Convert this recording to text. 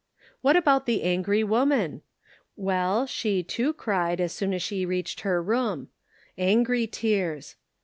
What about the angry woman? Well, she, too, cried, as soon as she reached her room — angry tears.